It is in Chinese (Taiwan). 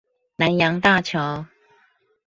南陽大橋